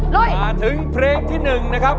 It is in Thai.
มาถึงเพลงที่๑นะครับ